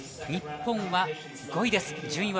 日本は５位です。